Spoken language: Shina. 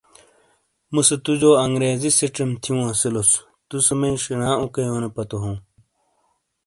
مُوسے توجو انگریزی سِیچیم تھیوں اسِیلوس تُوسے میئی شینا اوکایونو پاتو ہوں۔